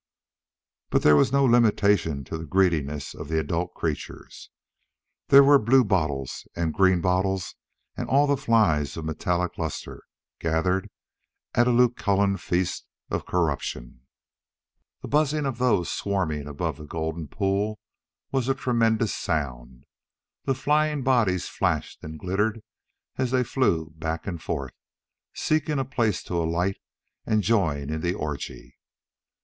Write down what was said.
But there was no limitation to the greediness of the adult creatures. There were bluebottles and green bottles and all the flies of metallic lustre, gathered at a Lucullan feast of corruption. The buzzing of those swarming above the golden pool was a tremendous sound. The flying bodies flashed and glittered as they flew back and forth, seeking a place to alight and join in the orgy.